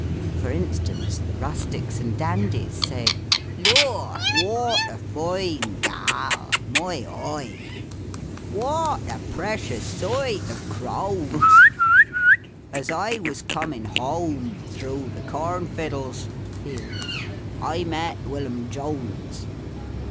For instance, the rustics and dandies say, —" Loor ! whaut a foine gaal ! Moy oy !"" Whaut a precious soight of crows !"" As I was a comin' whoam through the corn fiddles (fields) I met Willum Jones."